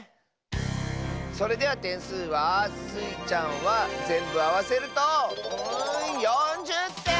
それではてんすうはスイちゃんはぜんぶあわせると４０てん！